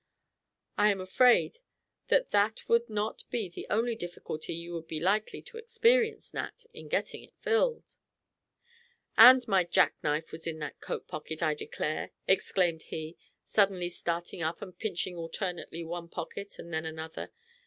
"I am afraid that that would not be the only difficulty you would be likely to experience, Nat, in getting it filled." "And my jack knife was in the coat pocket, I declare!" exclaimed he, suddenly starting up and pinching alternately one pocket and then another.